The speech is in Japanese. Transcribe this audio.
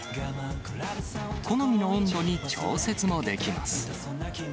好みの温度に調節もできます。